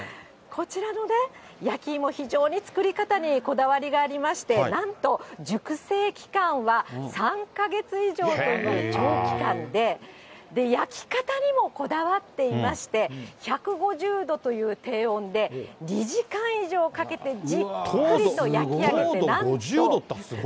こちらのね、焼き芋、非常に作り方にこだわりがありまして、なんと、熟成期間は３か月以上という長期間で、焼き方にもこだわっていまして、１５０度という低温で、２時間以上かけてじっくりと焼き上げて、なんと。